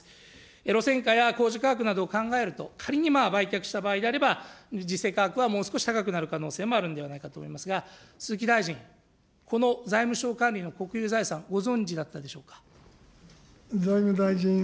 路線価や公示価格などを考えると、仮に売却した場合であれば、時世価格はもう少し高くなる可能性もあるんじゃないかと思いますが、鈴木大臣、この財務省管理の国有財産、ご存じだったでしょうか。